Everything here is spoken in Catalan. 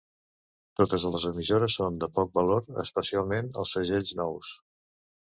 Totes les emissions són de poc valor, especialment els segells nous.